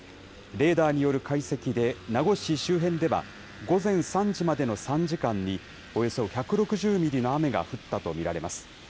レーダーによる解析で、名護市周辺では、午前３時までの３時間に、およそ１６０ミリの雨が降ったと見られます。